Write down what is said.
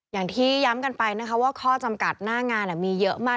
อย่างที่ย้ำกันไปนะคะว่าข้อจำกัดหน้างานมีเยอะมาก